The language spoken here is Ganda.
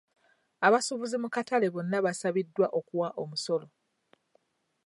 Abasubuzi mu katale bonna baasabiddwa okuwa omusolo.